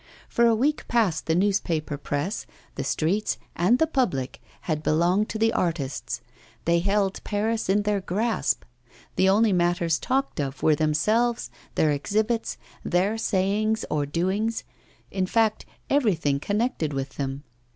For a week past the newspaper press, the streets, and the public had belonged to the artists. They held Paris in their grasp; the only matters talked of were themselves, their exhibits, their sayings or doings in fact, everything connected with them.